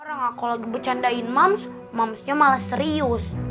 orang aku lagi bercandain mams mamsnya malah serius